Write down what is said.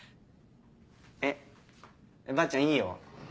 えっばあちゃんいいよ。